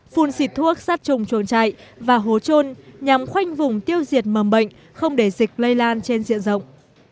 phun xịt thuốc sát trùng chuồng chạy và hố trôn nhằm khoanh vùng tiêu diệt mầm bệnh không để dịch lây lan trên diện rộng